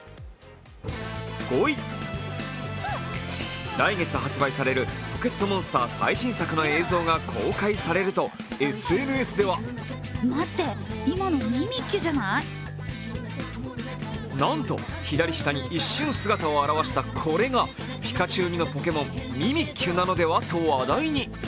５位、来月発売される「ポケットモンスター」最新作の映像が公開されるとＳＮＳでは、なんと左下に一瞬姿を現したこれがピカチュウ似のポケモン、ミミッキュなのでは？と話題。